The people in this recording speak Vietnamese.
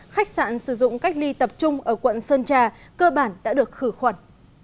khách sạn sử dụng cách ly tập trung ở quận sơn trà cơ bản đã được khử khuẩn